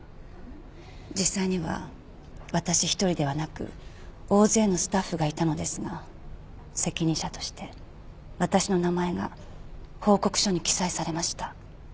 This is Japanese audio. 実際には私一人ではなく大勢のスタッフがいたのですが責任者として私の名前が報告書に記載されました。